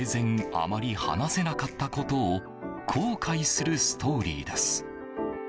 あまり話せなかったことを公開するストーリーです。